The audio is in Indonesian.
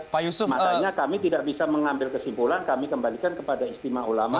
makanya kami tidak bisa mengambil kesimpulan kami kembalikan kepada istimewa ulama